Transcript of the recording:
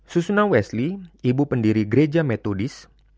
susuna wesley ibu pendiri gereja metodis